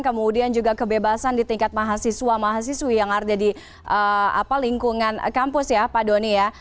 kemudian juga kebebasan di tingkat mahasiswa mahasiswi yang ada di lingkungan kampus ya pak doni ya